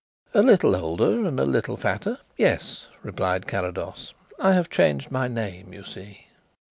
"A little older and a little fatter yes," replied Carrados. "I have changed my name you see."